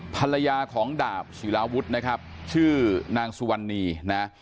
ภรรยาของดาบศิลาวุฒินะครับชื่อนางสุวรรณีนะ